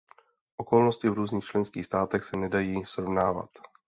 Okolnosti v různých členských státech se nedají srovnávat.